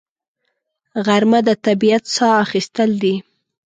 غرمه د طبیعت ساه اخیستل دي